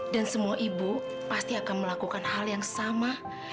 dan semua ibu pasti akan melakukan hal yang sama